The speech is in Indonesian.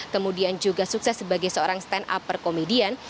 kemudian juga sukses sebagai seorang stand up perkomedian